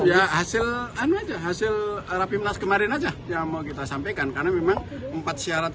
belum ya hasil hasil kemarin aja yang mau kita sampaikan karena memang empat syarat